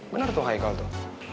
bener tuh hai kal tuh